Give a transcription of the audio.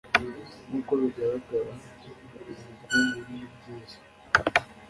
nk ‘uko bigaragara ubukungu nibwiza.